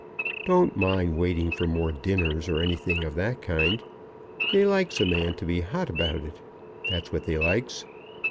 Don't mind waiting for more dinners, or anything of that kind. They likes a man to be hot about it; that's what they likes.